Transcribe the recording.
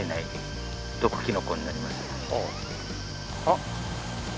あっ。